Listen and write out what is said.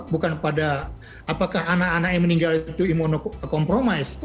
bukan pada apakah anak anak yang meninggal itu imunokompromis